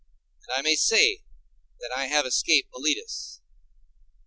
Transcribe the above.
And I may say that I have escaped Meletus.